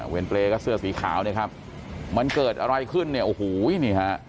เปรย์ก็เสื้อสีขาวเนี่ยครับมันเกิดอะไรขึ้นเนี่ยโอ้โหนี่ฮะ